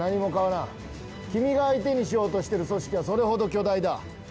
君が相手にしようとしてる組織はそれほど巨大だ。